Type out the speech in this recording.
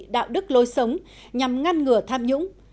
đạo đức lối sống nhằm ngăn ngừa tham nhũng